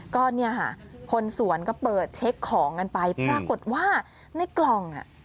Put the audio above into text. ก็คนสวนก็เปิดเช็คของกันไปปรากฏว่าในกล่อง